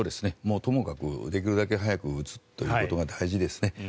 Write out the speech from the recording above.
ともかくできるだけ早く打つということが大事ですね。